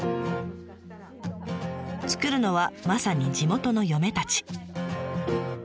作るのはまさに地元の嫁たち。